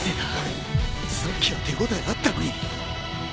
さっきは手応えあったのに